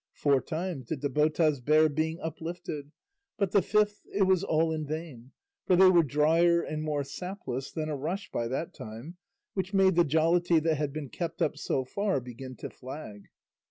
Four times did the botas bear being uplifted, but the fifth it was all in vain, for they were drier and more sapless than a rush by that time, which made the jollity that had been kept up so far begin to flag.